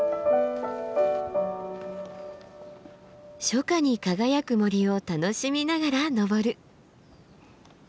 初夏に輝く森を楽しみながら登る。